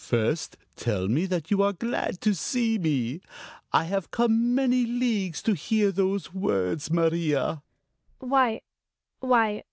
"First tell me that you are glad to see me! I have come many leagues to hear those words, Maria!" "Why.... Why